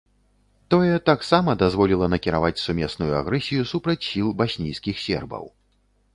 Тое таксама дазволіла накіраваць сумесную агрэсію супраць сіл баснійскіх сербаў.